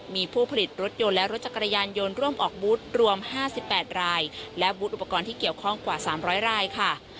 มีผู้ผลิตรถยนต์และรถจักรยานยนต์ร่วมออกบูธรวม๕๘รายและบูธอุปกรณ์ที่เกี่ยวข้องกว่า๓๐๐รายค่ะ